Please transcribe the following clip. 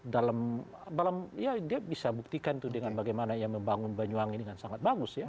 dalam ya dia bisa buktikan tuh dengan bagaimana ya membangun banyuwangi dengan sangat baik